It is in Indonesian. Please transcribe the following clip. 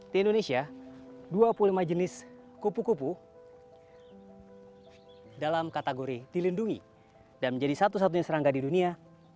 di indonesia dua puluh lima jenis kupu kupu dalam kategori dilindungi dan menjadi satu satunya serangga di dunia